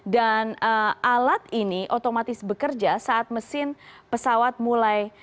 dan alat ini otomatis bekerja saat mesin pesawat mulai